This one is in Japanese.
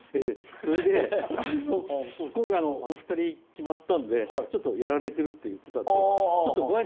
それで今回お二人決まったんでちょっとやられてるって言ってたんで。